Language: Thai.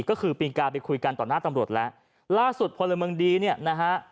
ก็คือปีกาไปคุยกันต่อหน้าตำรวจแล้วล่าสุดพลเมืองดีเนี่ยนะฮะ